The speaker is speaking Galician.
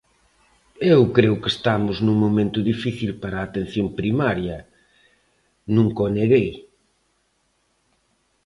Eu creo que estamos nun momento difícil para a atención primaria, nunca o neguei.